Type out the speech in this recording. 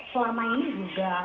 selama ini juga